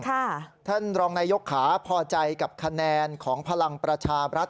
ท่านรองนายกขาพอใจกับคะแนนของพลังประชาบรัฐ